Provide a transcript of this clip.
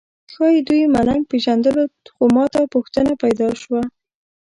ښایي دوی ملنګ پېژندلو خو ماته پوښتنه پیدا شوه.